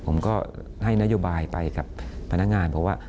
ผมก็ให้นโยบายไปกับพนักงานเพราะว่า